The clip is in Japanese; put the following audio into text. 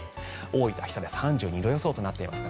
大分・日田で３２度予想となっています。